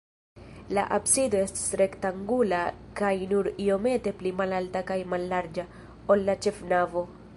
La absido estas rektangula kaj nur iomete pli malalta kaj mallarĝa, ol la ĉefnavo.